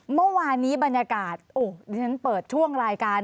เมื่อวานนี้บรรยากาศที่ฉันเปิดช่วงรายการ